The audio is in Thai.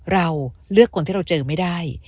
เราเลือกคนที่เราเจอไม่ได้